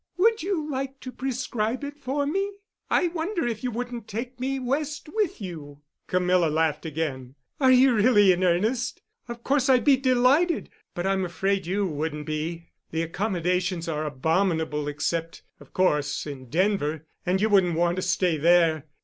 Would you like to prescribe it for me? I wonder if you wouldn't take me West with you." Camilla laughed again. "Are you really in earnest? Of course I'd be delighted—but I'm afraid you wouldn't be. The accommodations are abominable except, of course, in Denver, and you wouldn't want to stay there.